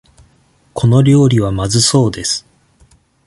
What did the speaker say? この料理はまずそうです。